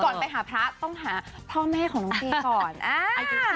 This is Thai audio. ไปหาพระต้องหาพ่อแม่ของน้องเจก่อน